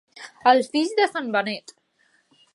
Els fills de sant Benet.